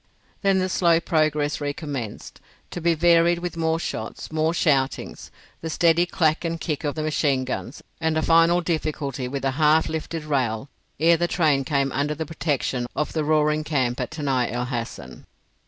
Then the slow progress recommenced, to be varied with more shots, more shoutings, the steady clack and kick of the machine guns, and a final difficulty with a half lifted rail ere the train came under the protection of the roaring camp at Tanai el Hassan.